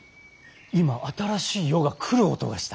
今新しい世が来る音がした。